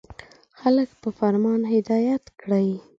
• خلک په فرمان هدایت کړئ.